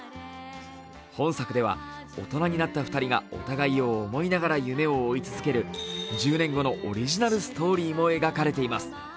本作では大人になった２人がお互いを思いながら夢を追い続ける、１０年後のオリジナルストーリーも描かれています。